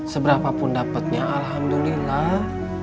seberapa pun dapatnya alhamdulillah